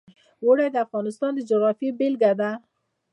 اوړي د افغانستان د جغرافیې بېلګه ده.